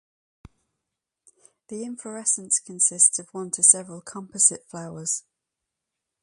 The inflorescence consists of one to several composite flowers.